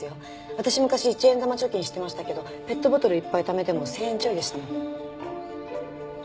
私昔１円玉貯金してましたけどペットボトルいっぱいためても１０００円ちょいでしたもん。